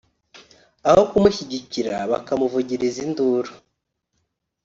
aho kumushyigikira bakamuvugiriza induru